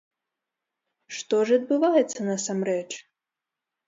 Што ж адбываецца насамрэч?